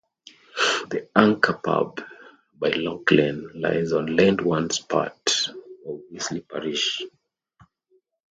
The "Anchor" pub, by Lock Lane, lies on land once part of Wisley parish.